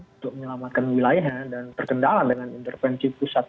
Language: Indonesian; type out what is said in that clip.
untuk menyelamatkan wilayahnya dan terkendala dengan intervensi pusat